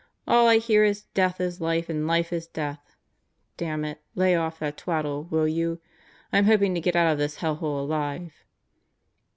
All I hear is, death is life and life is death. Damn it, lay off that twaddle, will you? I'm hoping to get out of this hell hole alive."